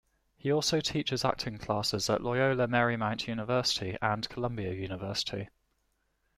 He also teaches acting classes at Loyola Marymount University and Columbia University.